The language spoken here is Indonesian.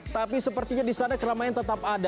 tapi sepertinya di sana keramaian tetap ada